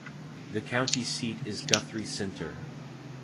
The county seat is Guthrie Center.